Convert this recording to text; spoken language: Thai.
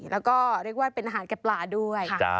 แล้วก็เป็นอาหารแกะปลาด้วย